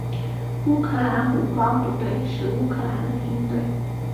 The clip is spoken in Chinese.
乌克兰武装部队是乌克兰的军队。